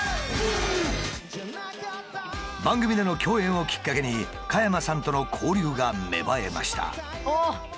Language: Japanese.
番組での共演をきっかけに加山さんとの交流が芽生えました。